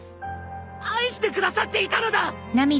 愛してくださっていたのだ！